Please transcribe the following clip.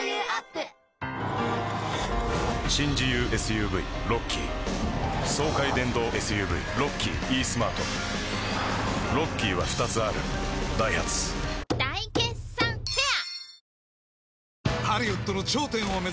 新自由ＳＵＶロッキー爽快電動ＳＵＶロッキーイースマートロッキーは２つあるダイハツ大決算フェア